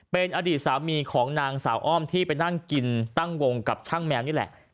เป็นอดีตสามีของนางสาวอ้อมที่ไปนั่งกินตั้งวงกับช่างแมวนี่แหละ